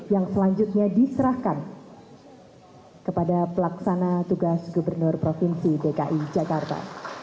yang selanjutnya diserahkan kepada pelaksana tugas gubernur provinsi dki jakarta